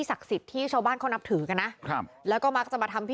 ไม่รู้ค่ะสรุป